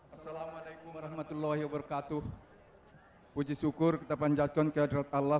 assalamualaikum warahmatullahi wabarakatuh puji syukur kita panjatkan kehadrat allah